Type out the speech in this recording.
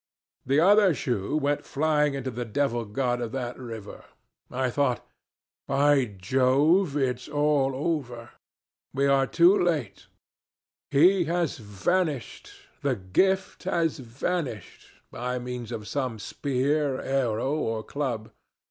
"The other shoe went flying unto the devil god of that river. I thought, 'By Jove! it's all over. We are too late; he has vanished the gift has vanished, by means of some spear, arrow, or club.